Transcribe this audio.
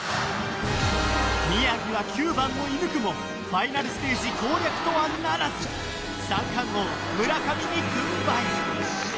宮城は９番を射ぬくもファイナルステージ攻略とはならず三冠王・村上に軍配！